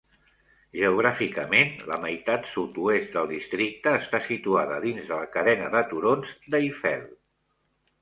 Geogràficament, la meitat sud-oest del districte està situada dins de la cadena de turons d'Eifel.